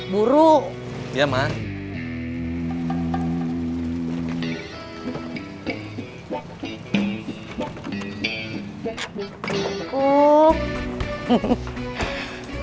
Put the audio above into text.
buruk ya man